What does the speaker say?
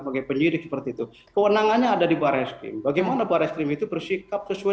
bagi penyidik seperti itu kewenangannya ada di bareskrim bagaimana bareskrim itu bersikap sesuai